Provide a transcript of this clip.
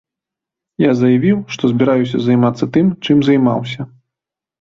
Я заявіў, што збіраюся займацца тым, чым займаўся.